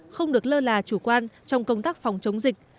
không được lơ là chủ quan trong công tác phòng chống dịch